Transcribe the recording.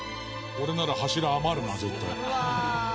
「俺なら柱余るな絶対」